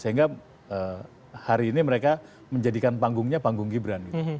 sehingga hari ini mereka menjadikan panggungnya panggung gibran